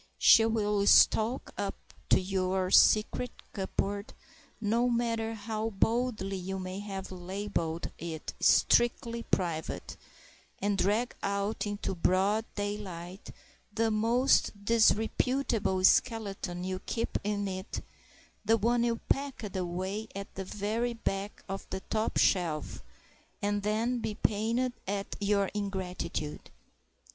She will stalk up to your secret cupboard, no matter how boldly you may have labelled it "strictly private," and drag out into broad daylight the most disreputable skeleton you keep in it, the one you packed away at the very back of the top shelf—and then be pained at your ingratitude!